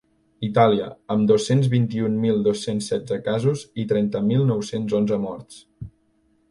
Itàlia, amb dos-cents vint-i-un mil dos-cents setze casos i trenta mil nou-cents onze morts.